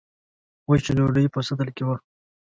وچه ډوډۍ په سطل کې وه.